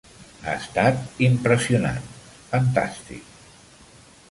Ha estat impressionant, fantàstic!